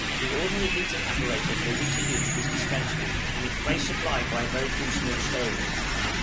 The ordinary heating apparatus for winter use was dispensed with, and its place supplied by a few very small stoves.